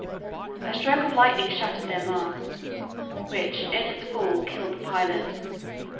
A stroke of lightning shattered their mast, which in its fall killed the pilot.